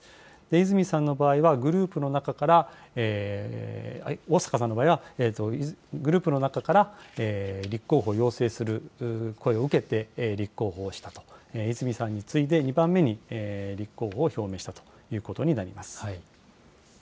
泉さんの場合は、グループの中から、逢坂さんの場合は、グループの中から立候補を要請する声を受けて立候補をしたと、泉さんに次いで、２番目に立候補を表明したということになります。